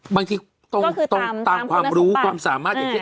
บางทีต้องตามความรู้ความสามารถ